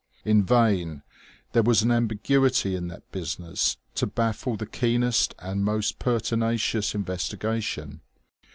In vain: there was an ambiguity in that business to baffle the keenest and most pertinacious investigation.